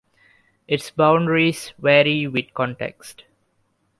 Its boundaries vary with context.